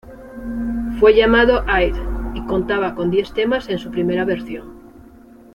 Fue llamado "Id" y contaba con diez temas en su primera versión.